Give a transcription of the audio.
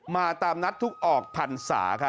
มาตามนัดทุกออกพันศาค่ะ